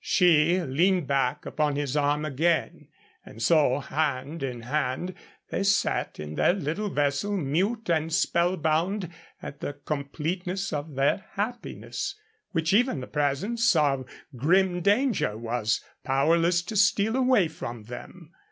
She leaned back upon his arm again, and so, hand in hand, they sat in their little vessel, mute and spellbound at the completeness of their happiness, which even the presence of grim danger was powerless to steal away from them.